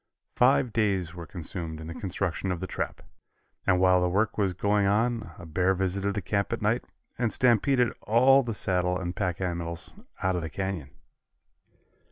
Five days were consumed in the construction of the trap, and while the work was going on a bear visited the camp at night and stampeded all the saddle and pack animals out of the canyon.